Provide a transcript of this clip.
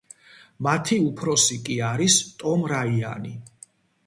მათი უფროსი კი არის ტომ რაიანი.